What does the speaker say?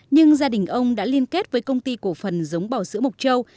nhưng gia đình ông đã liên kết với công ty cổ phần giống bò sữa mộc châu